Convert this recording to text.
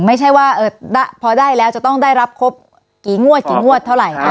ไม่ใช่ว่าพอได้แล้วจะต้องได้รับครบกี่งวดกี่งวดเท่าไหร่